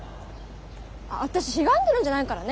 私ひがんでるんじゃないからね。